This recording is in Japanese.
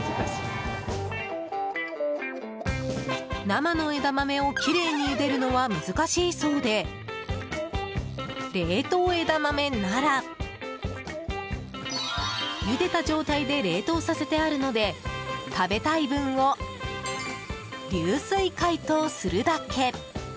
生の枝豆をきれいにゆでるのは難しいそうで冷凍枝豆ならゆでた状態で冷凍させてあるので食べたい分を、流水解凍するだけ。